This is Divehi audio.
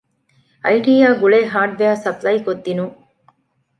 އައިޓީއާ ގުޅޭ ހާޑްވެއަރ ސަޕްލައިކޮށްދިނުން